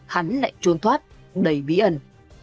hán lại trốn thoát đầy bí ẩn